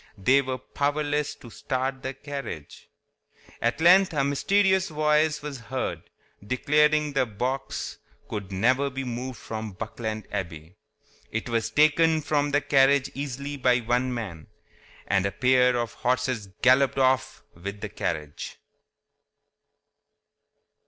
They were powerless to start the carriage. At length a mysterious voice was heard, declaring that the box could never be moved from Buckland Abbey. It was taken from the carriage easily by one man, and a pair of horses galloped off with the carriage.